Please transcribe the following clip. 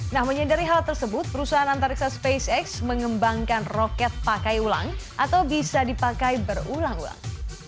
nah menyadari hal tersebut perusahaan antariksa spacex mengembangkan roket pakai ulang atau bisa dipakai berulang ulang